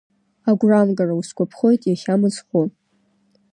Агәрамгара Усгәаԥхоит иахьа мыцхәы…